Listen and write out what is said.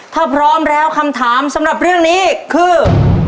ถ้าพร้อมแล้วคำถามสำหรับเรื่องนี้คือ